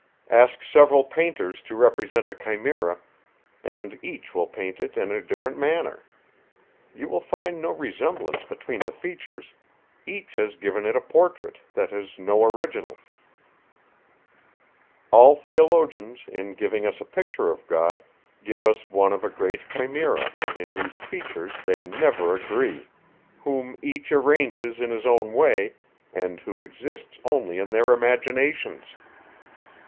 Ask several painters to represent a chimera, and each will paint it in a different manner. You will find no resemblance between the features, each has given it a portrait, that has no original. All theologians, in giving us a picture of God, give us one of a great chimera, in whose features they never agree, whom each arranges in his own way, and who exists only in their imaginations.